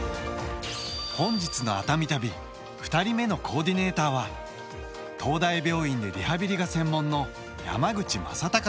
本日の熱海旅２人目のコーディネイターは東大病院でリハビリが専門の山口正貴さんです。